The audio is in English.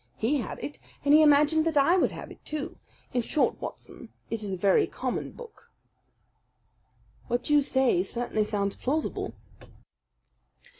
He had it and he imagined that I would have it, too. In short, Watson, it is a very common book." "What you say certainly sounds plausible."